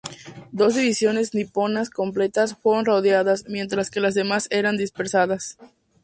Dos divisiones niponas completas fueron rodeadas, mientras que las demás eran dispersadas.